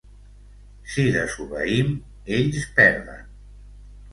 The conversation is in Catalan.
Si desobeïm, ells perden.